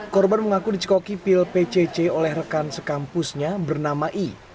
korban mengaku dicekoki pil pcc oleh rekan sekampusnya bernama i